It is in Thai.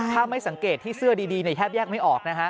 ถ้าไม่สังเกตที่เสื้อดีเนี่ยแทบแยกไม่ออกนะฮะ